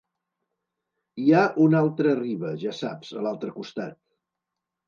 Hi ha una altra riba, ja saps, a l'altre costat.